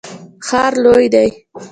ښار لوی دی.